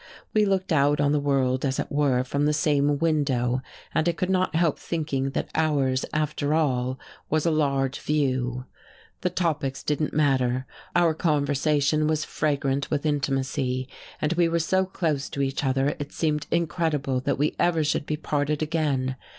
We looked out on the world, as it were, from the same window, and I could not help thinking that ours, after all, was a large view. The topics didn't matter our conversation was fragrant with intimacy; and we were so close to each other it seemed incredible that we ever should be parted again.